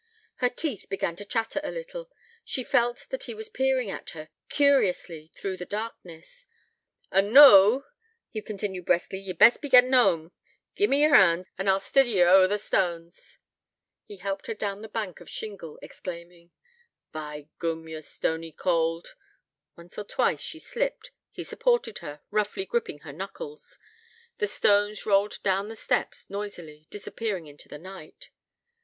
Her teeth began to chatter a little: she felt that he was peering at her, curiously, through the darkness. 'An' noo,' he continued briskly, 'ye'd best be gettin' home. Give me ye're hand, an' I'll stiddy ye ower t' stones.' He helped her down the bank of shingle, exclaiming: 'By goom, ye're stony cauld.' Once or twice she slipped: he supported her, roughly gripping her knuckles. The stones rolled down the steps, noisily, disappearing into the night.